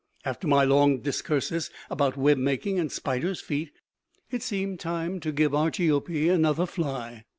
After my long discursus about web making and spider's feet, it seemed time to give Argiope another fly.